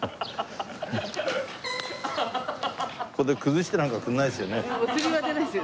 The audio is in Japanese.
ここで崩してなんかくれないですよね？